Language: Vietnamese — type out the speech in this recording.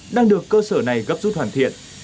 đang được cơ sở này gấp rút hoàn thiện